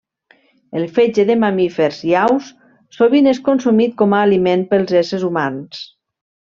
El fetge de mamífers i aus sovint és consumit com a aliment pels éssers humans.